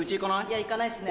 いや行かないっすね